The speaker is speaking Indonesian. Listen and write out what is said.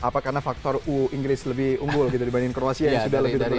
apa karena faktor inggris lebih unggul dibandingkan croatia yang sudah lebih terbesar